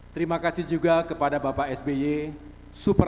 terima kasih juga kepada bapak sby super